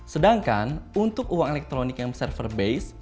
sedangkan untuk uang elektronik yang server base